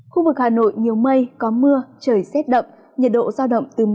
khu vực hà nội nhiều mây có mưa trời xét đậm nhiệt độ giao động từ một mươi ba đến một mươi bảy độ